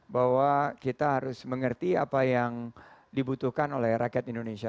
bahwa kita harus mengerti apa yang dibutuhkan oleh rakyat indonesia